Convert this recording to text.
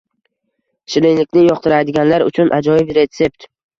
Shirinlikni yoqtiradiganlar uchun ajoyib retsept